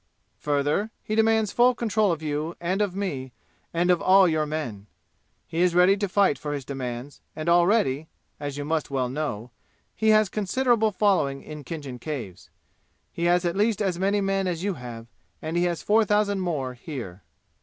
Further, he demands full control of you and of me and of all your men. He is ready to fight for his demands and already as you must well know he has considerable following in Khinjan Caves. He has at least as many men as you have, and he has four thousand more here.